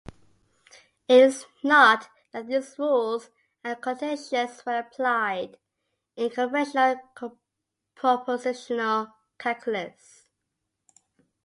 It is not that these rules are contentious, when applied in conventional propositional calculus.